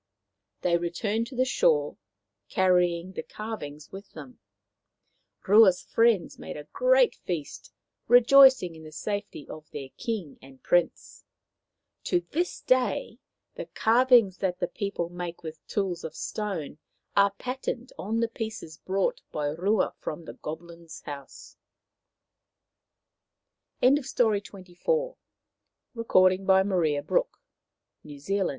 They returned to the shore, carrying the carv ings with them. Rua's friends made a great feast, rejoicing in the safety of their King and Prince. To this day the carvings that the people make with tools of stone are patterned on the pieces brought by Rua from the Goblins' house, THE GREAT BIRD OF THE HILLS A man named P